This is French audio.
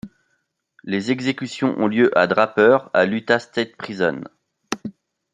Les exécutions ont lieu à Draper, à l'Utah State Prison.